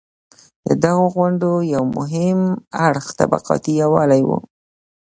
د دغو غونډو یو مهم اړخ طبقاتي یووالی و.